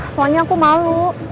soalnya aku malu